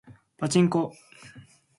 パチンコ